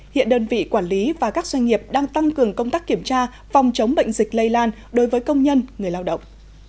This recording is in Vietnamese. hiện đơn vị quản lý và các doanh nghiệp đang tăng cường công tác kiểm tra phòng chống bệnh dịch lây lan đối với công nhân người lao động